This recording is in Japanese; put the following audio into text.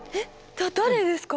だ誰ですか？